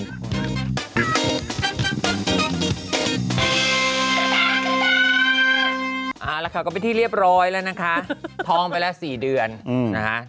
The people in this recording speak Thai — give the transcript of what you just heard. เอาละค่ะก็เป็นที่เรียบร้อยแล้วนะคะท้องไปแล้ว๔เดือนนะคะ